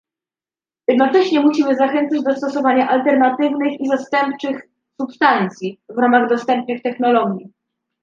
Jednocześnie musimy zachęcać do stosowania alternatywnych i zastępczych substancji w ramach dostępnych technologii